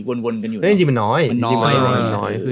กวนอยู่